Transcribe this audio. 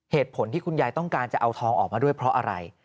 เหตุผลที่คุณยายต้องการจะเอาทองออกมาด้วยเพราะอะไร